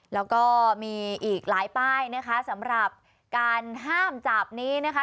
แล้วก็มีอีกหลายป้ายนะคะสำหรับการห้ามจับนี้นะคะ